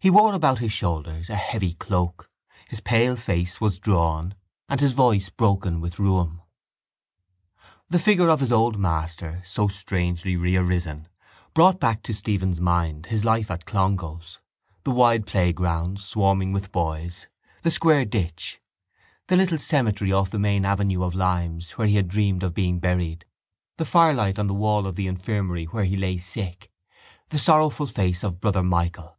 He wore about his shoulders a heavy cloak; his pale face was drawn and his voice broken with rheum. The figure of his old master, so strangely rearisen, brought back to Stephen's mind his life at Clongowes: the wide playgrounds, swarming with boys, the square ditch, the little cemetery off the main avenue of limes where he had dreamed of being buried, the firelight on the wall of the infirmary where he lay sick, the sorrowful face of Brother Michael.